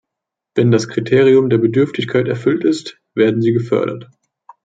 Wenn das Kriterium der Bedürftigkeit erfüllt ist, werden sie gefördert.